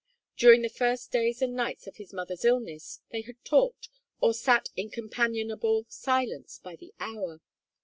During the first days and nights of his mother's illness, they had talked, or sat in companionable silence, by the hour.